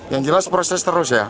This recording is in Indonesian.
yang jelas proses terus ya